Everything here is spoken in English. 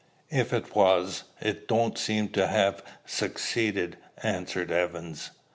"If it was, it don't seem to ha' succeeded," answered Evans.